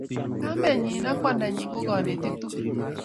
Kamenyii ak kwandanii ko konetik tugul.